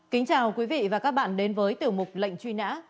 kính chào quý vị và các bạn đến với tiểu mục lệnh truy nã